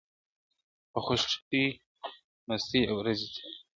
په خوښۍ مستي یې ورځي تېرولې-